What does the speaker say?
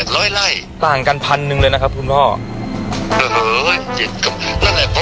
เออเหอะนั่นแหละเพราะบอกเขาไม่รู้เรื่องไงให้เขาอยู่เฉยดีกว่า